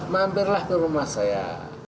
mampirlah ke rumah saya